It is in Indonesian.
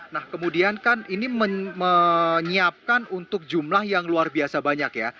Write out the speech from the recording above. nah kemudian kan ini menyiapkan untuk jumlah yang luar biasa banyak ya